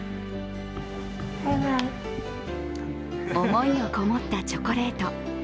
思いのこもったチョコレート。